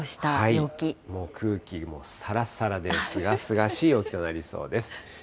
もう空気もさらさらで、すがすがしい陽気となりそうです。